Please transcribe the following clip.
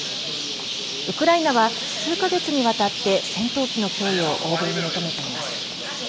ウクライナは数か月にわたって戦闘機の供与を欧米に求めています。